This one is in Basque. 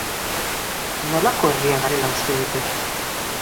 Nolako herria garela uste dute?